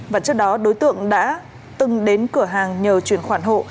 và trước đó đối tượng đã từng đến cửa hàng nhờ chuyển khoản hộ